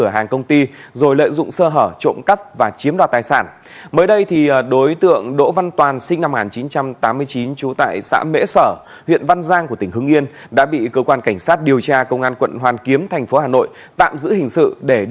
hãy đăng ký kênh để ủng hộ kênh của chúng mình nhé